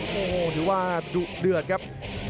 โอ้โหถือว่าดุเดือดครับ